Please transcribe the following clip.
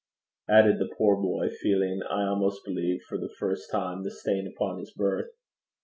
added the poor boy, feeling, I almost believe for the first time, the stain upon his birth.